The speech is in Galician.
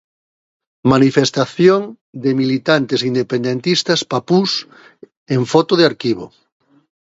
Manifestación de militantes independentistas papús, en foto de arquivo.